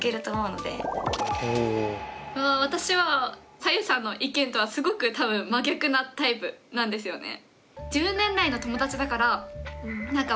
あ私はさゆさんの意見とはすごく多分真逆なタイプなんですよね。